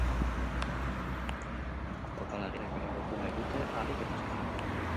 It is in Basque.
Jokalriek denboraldi honetako lehen garaipena lortu nahi dute ahalik eta azkarren.